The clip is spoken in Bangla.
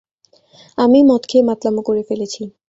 আমিই মদ খেয়ে মাতলামো করে ফেলেছি।